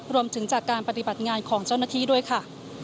รวมถึงจากการปฏิบัติงานของเจ้าหน้าที่ด้วยค่ะ